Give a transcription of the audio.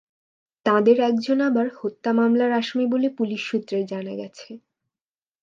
তাঁদের একজন আবার হত্যা মামলার আসামি বলে পুলিশ সূত্রে জানা গেছে।